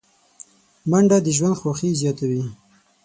منډه د ژوند خوښي زیاتوي